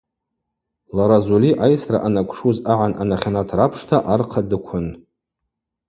Лара Зульи айсра анакӏвшуз агӏан анахьанат рапшта архъа дыквын.